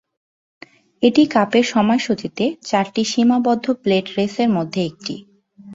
এটি কাপের সময়সূচীতে চারটি সীমাবদ্ধ প্লেট রেসের মধ্যে একটি।